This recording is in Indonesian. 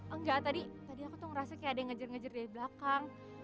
enggak tadi aku tuh ngerasa kayak ada yang ngejar ngejar dari belakang